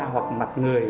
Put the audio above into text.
hoặc mặt người